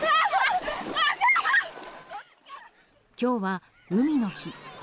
今日は海の日。